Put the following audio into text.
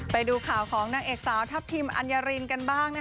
ไปดูข่าวของนางเอกสาวทัพทิมอัญญารินกันบ้าง